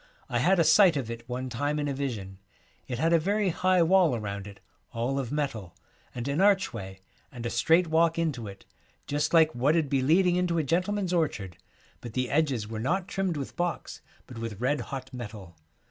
I had a sight of it one time in a vision. It had a very high wall around it, all of metal, and an archway, and a straight walk into it, just like what 'ud be leading into a gentleman's orchard, but the edges were not trimmed with box, but with red hot metal.